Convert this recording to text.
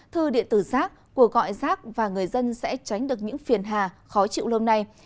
thư điện tử rác cuộc gọi rác và người dân sẽ tránh được những phiền hà khó chịu lâu nay